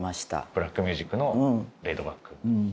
ブラックミュージックのレイドバック。